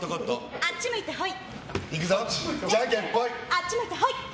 あっち向いてほい！